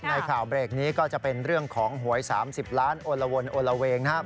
ข่าวเบรกนี้ก็จะเป็นเรื่องของหวย๓๐ล้านโอละวนโอละเวงนะครับ